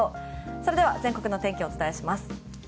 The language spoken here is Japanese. それでは全国のお天気をお伝えします。